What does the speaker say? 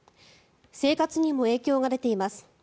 生活にも影響が出ています。